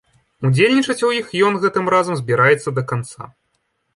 Удзельнічаць у іх ён гэтым разам збіраецца да канца.